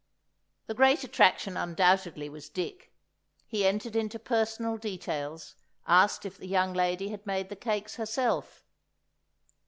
The great attraction, undoubtedly, was Dick. He entered into personal details, asked if the young lady had made the cakes herself.